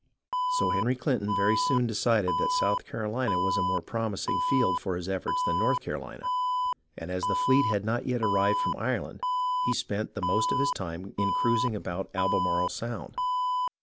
So Sir Henry Clinton very soon decided that South Carolina was a more promising field for his efforts than North Carolina, and as the fleet had not yet arrived 98 HISTORY OF THE AMERICAN REVOLUTION from Ireland, he spent the most of his time in cruis ing about Albemarle Sound.